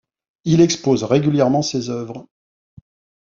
Il expose régulièrement ses œuvres.